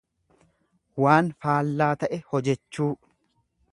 Waan faallaa ta'e hojechuu.